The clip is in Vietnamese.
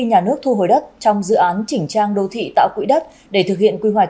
nhà nước thu hồi đất trong dự án chỉnh trang đô thị tạo quỹ đất để thực hiện quy hoạch